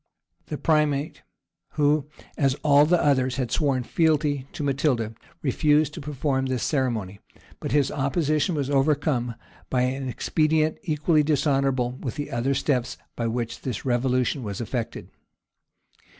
The primate, who, as all the others, had sworn fealty to Matilda, refused to perform this ceremony; but his opposition was overcome by an expedient equally dishonorable with the other steps by which this revolution was effected.